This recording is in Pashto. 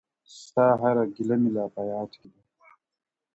ستا هره گيله مي لا په ياد کي ده.